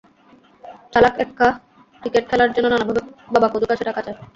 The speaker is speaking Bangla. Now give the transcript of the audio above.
চালাক এক্কা ক্রিকেট খেলার জন্য নানাভাবে বাবা কদুর কাছে টাকা চায়।